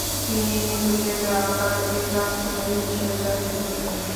তিনি নিজেকে জাভার এক রাজকুমারী হিসাবে জাহির করতেন।